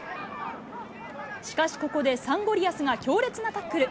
しかしここで、サンゴリアスが強烈なタックル。